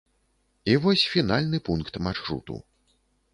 І вось фінальны пункт маршруту.